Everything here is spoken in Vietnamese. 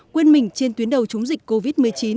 quên mình trên tuyến đầu chống dịch covid một mươi chín